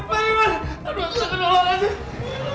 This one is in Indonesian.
aduh asal dari allah aziz